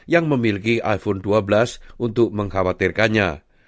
yang memiliki iphone dua belas untuk mengkhawatirkannya